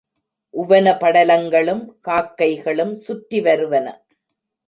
உவன படலங்களும் காக்கைகளும் சுற்றி வருவன.